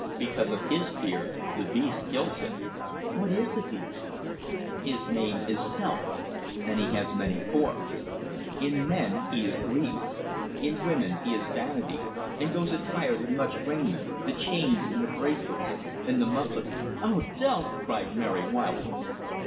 Because of his fear, the beast kills him." "What is the beast?" "His name is self; and he has many forms. In men he is greed; in women he is vanity, and goes attired in much raiment the chains, and the bracelets, and the mufflers " "Oh, don't!" cried Mary, wildly.